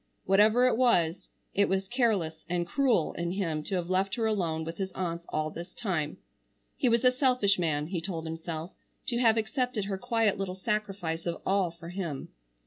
Whatever it was, it was careless and cruel in him to have left her alone with his aunts all this time. He was a selfish man, he told himself, to have accepted her quiet little sacrifice of all for him.